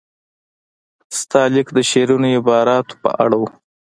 ستا لیک د شیرینو عباراتو په اړه.